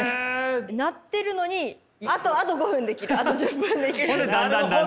鳴ってるのに「あと５分できるあと１０分できる」みたいな。